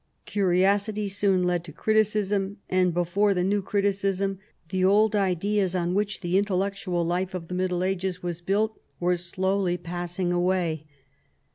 Curiosity soon led to criticism ; and before the new criticism the old ideas on which the intellectual life of the Middle Ages was built were slowly passing away.